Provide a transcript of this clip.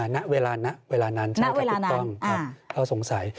ณเวลานั้นใช่ครับถูกต้องเราสงสัย